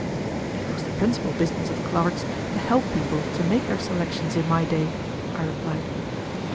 "It was the principal business of clerks to help people to make their selections in my day," I replied.